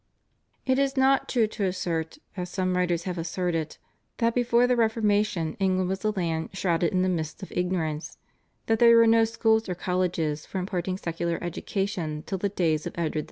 It is not true to assert, as some writers have asserted, that before the Reformation England was a land shrouded in the mists of ignorance; that there were no schools or colleges for imparting secular education till the days of Edward VI.